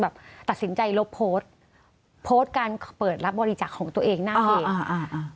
ปลดการเปิดรับบริจักษ์ของตัวเองหน้าเพจ